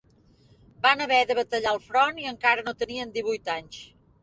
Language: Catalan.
Van haver de batallar al front i encara no tenien divuit anys.